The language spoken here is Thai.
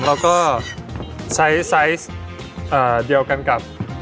แล้วก็ใช้ไซส์เดียวกันกับ